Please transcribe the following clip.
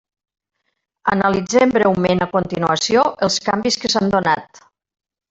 Analitzem breument a continuació els canvis que s'han donat.